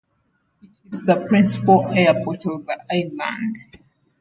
It is the principal airport of the island.